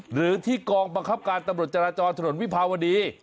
หรือที่กองบังคับการตำรวจจราจรถนนวิภาวดี